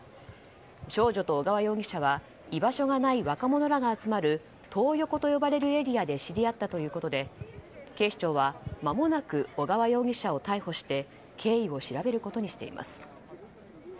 少女と小川容疑者は居場所のない若者らが集まるトー横と呼ばれるエリアで知り合ったということで警視庁はまもなく小川容疑者を逮捕して経緯を調べることにしています。